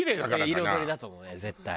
彩りだと思うね絶対。